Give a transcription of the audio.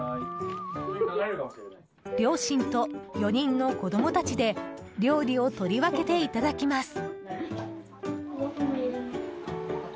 両親と４人の子供たちで料理を取り分けていただきます。